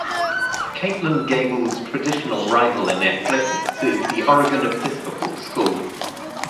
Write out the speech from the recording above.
Catlin Gabel's traditional rival in athletics is the Oregon Episcopal School.